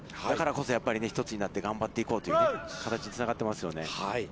だからこそやっぱり１つになって頑張っていこうという形につながっていますよね。